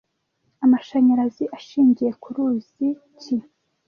Amashanyarazi ashingiye ku ruzi ki